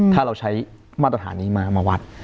ถ้าเราใช้มาตรฐานนี้มาวัด